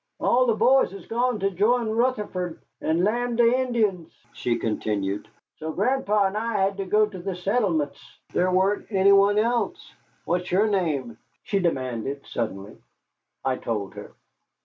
"All the boys is gone to join Rutherford and lam the Indians," she continued, "so Gran'pa and I had to go to the settlements. There wahn't any one else. What's your name?" she demanded suddenly. I told her.